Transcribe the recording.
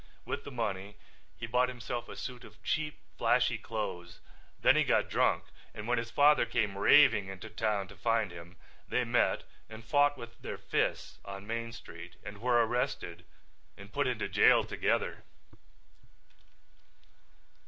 With the money he bought himself a suit of cheap, flashy clothes. Then he got drunk and when his father came raving into town to find him, they met and fought with their fists on Main Street and were arrested and put into jail together.